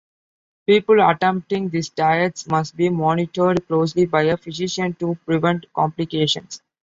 People attempting these diets must be monitored closely by a physician to prevent complications.